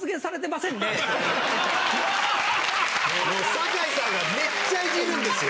堺さんがめっちゃイジるんですよ。